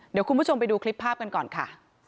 เดี๋ยวคุณผู้ชมไปดูคลิปภาพกันก่อนค่ะ